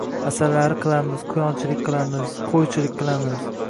asalari qilamiz, quyonchilik qilamiz, qo‘ychilik qilamiz.